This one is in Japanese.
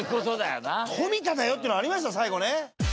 「冨田だよ！」っていうのありました最後ね。